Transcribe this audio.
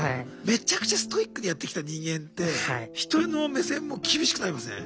めちゃくちゃストイックでやってきた人間って人への目線も厳しくなりません？